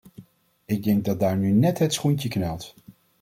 Ik denk dat daar nu net het schoentje knelt.